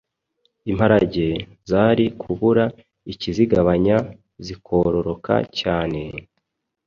imparage, zari kubura ikizigabanya zikororoka cyane,